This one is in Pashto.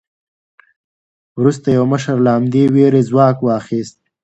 وروسته یو مشر له همدې وېرې ځواک واخیست.